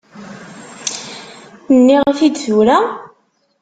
Nniɣ-t-id tura?